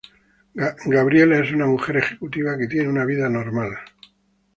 Gabriela es una mujer ejecutiva que tiene una vida normal.